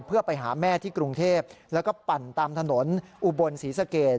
เพื่อไปหาแม่ที่กรุงเทพแล้วก็ปั่นตามถนนอุบลศรีสเกต